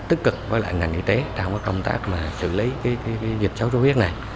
tích cực với ngành y tế trong công tác xử lý dịch xuất xuất huyết này